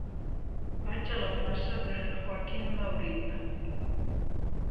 Vaig a la plaça de Joaquín Maurín.